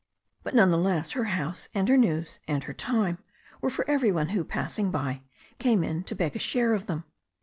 But none the less her house and her news and her time were for every one who, passing by, came in to beg a share of them.